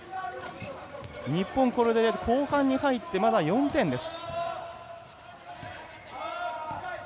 日本は後半に入ってまだ４点です。